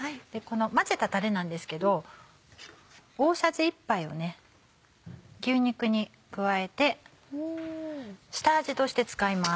混ぜたたれなんですけど大さじ１杯を牛肉に加えて下味として使います。